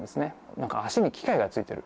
何か足に機械がついてる。